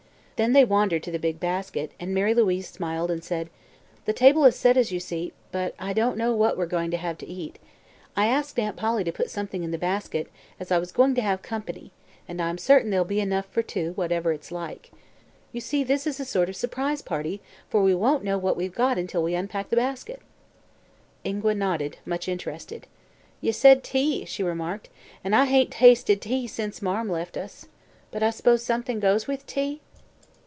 Then they wandered to the big basket and Mary Louise smiled and said: "The table is set, as you see, but I don't know what we're to have to eat. I asked Aunt Polly to put something in the basket, as I was going to have company, and I'm certain there'll be enough for two, whatever it's like. You see, this is a sort of surprise party, for we won't know what we've got until we unpack the basket." Ingua nodded, much interested. "Ye said 'tea,'" she remarked, "an' I hain't tasted tea sence Marm left us. But I s'pose somethin' goes with tea?"